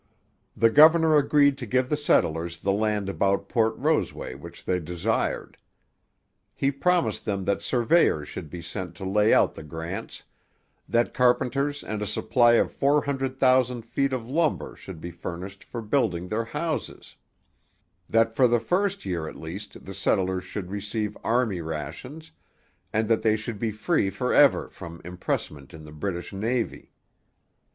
The governor agreed to give the settlers the land about Port Roseway which they desired. He promised them that surveyors should be sent to lay out the grants, that carpenters and a supply of 400,000 feet of lumber should be furnished for building their houses, that for the first year at least the settlers should receive army rations, and that they should be free for ever from impressment in the British Navy.